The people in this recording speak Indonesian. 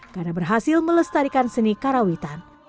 karena berhasil melestarikan seni karawitan